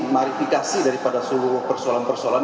marifikasi daripada seluruh persoalan persoalan